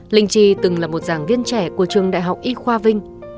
linh chi từng là một giảng viên trẻ của trường đại học y khoa vinh